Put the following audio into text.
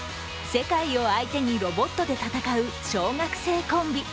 世界相手にロボットで戦う小学生コンビ。